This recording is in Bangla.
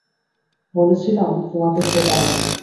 বলেছিলাম তোমাকে সে ডাইনি!